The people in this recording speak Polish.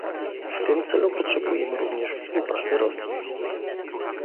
W tym celu potrzebujemy również współpracy Rosji